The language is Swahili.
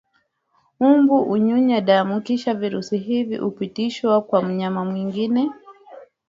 mbu hunyunya damu Kisha virusi hivi hupitishwa kwa mnyama mwingine